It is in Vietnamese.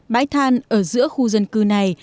bãi than ở giữa khu dân cư này